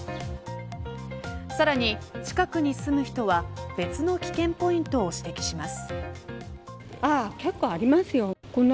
さらに近くに住む人は別の危険ポイントを指摘します。